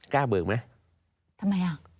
กล้าเบิกไหมทำไมอ่ะ